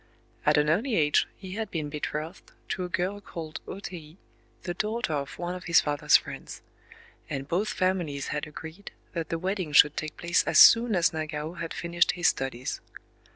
At an early age he had been betrothed to a girl called O Tei, the daughter of one of his father's friends; and both families had agreed that the wedding should take place as soon as Nagao had finished his studies.